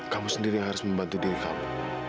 kamu sendiri harus membantu diri kamu